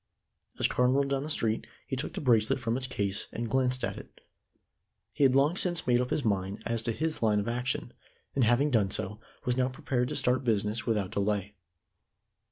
As Carne rolled down the street, he took the bracelet from its case and glanced at it. He had long since made up his mind as to his line of action, and having done so, was now prepared to start business without delay.